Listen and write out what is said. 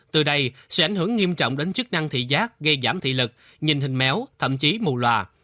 từ đây sẽ ảnh hưởng nghiêm trọng đến chức năng thị giác gây giảm thị lực nhìn hình méo thậm chí mù loà